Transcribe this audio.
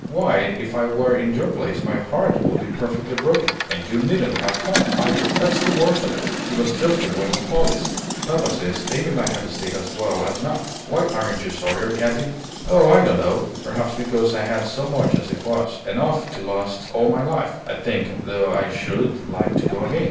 Why, if I were in your place my heart would be perfectly broken. And you needn't have come, either; that's the worst of it. It was just a whim of Polly's. Papa says Amy might have stayed as well as not. Why aren't you sorrier, Katy?" "Oh, I don't know. Perhaps because I had so much as it was, enough to last all my life, I think, though I should like to go again.